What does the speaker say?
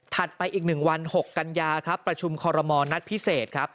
ถัดไปอีกหนึ่งวันหกกันยาครับประชุมคอรมอนัดพิเศษครับ